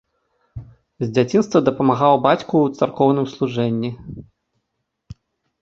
З дзяцінства дапамагаў бацьку ў царкоўным служэнні.